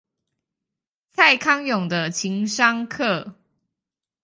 蔡康永的情商課